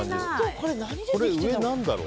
これ上、何だろう？